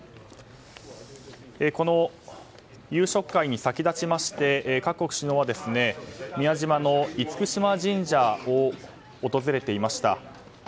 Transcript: この夕食会に先立ちまして各国首脳は宮島の厳島神社を訪れていました。